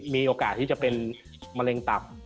มีโอกาสที่จะเป็นมะเร็งตับ